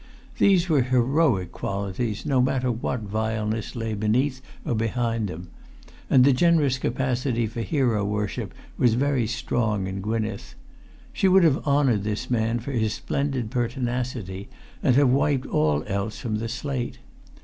These were heroic qualities, no matter what vileness lay beneath or behind them; and the generous capacity for hero worship was very strong in Gwynneth. She would have honoured this man for his splendid pertinacity, and have wiped all else from the slate.